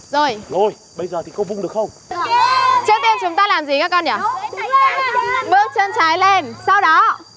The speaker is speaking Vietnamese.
rồi rồi bây giờ thì có vùng được không chúng ta làm gì các con nhỉ bước chân trái lên sau đó